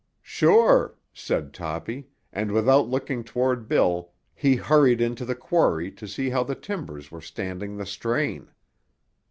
"Sure," said Toppy, and without looking toward Bill he hurried into the quarry to see how the timbers were standing the strain.